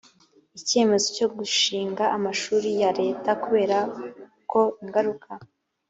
ikemezo cyo gushinga amashuri ya leta kubera ko ingaruka